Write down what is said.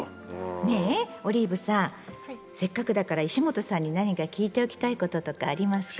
せっかくだから石本さんに何か聞いておきたいこととかありますか？